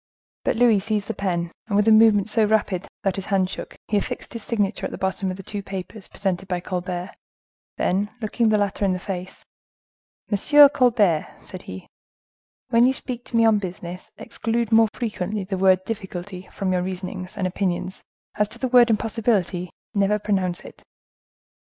But Louis seized the pen, and with a movement so rapid that his hand shook, he affixed his signature at the bottom of the two papers presented by Colbert,—then looking the latter in the face,—"Monsieur Colbert," said he, "when you speak to me on business, exclude more frequently the word difficulty from your reasonings and opinions; as to the word impossibility, never pronounce it."